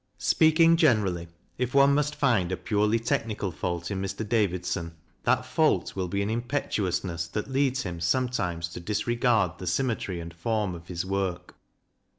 Speaking generally, if one must find a purely technical fault in Mr. Davidson, that fault will be an impetuousness that leads him sometimes to disregard the symmetry and form of his work.